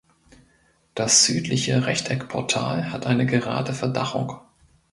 Das südliche Rechteckportal hat eine gerade Verdachung.